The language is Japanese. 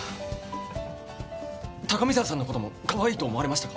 高見沢さんの事もかわいいと思われましたか？